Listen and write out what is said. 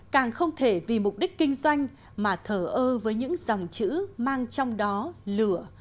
càng không thể vì mục đích kinh doanh mà thở ơ với những dòng chữ mang trong đó lửa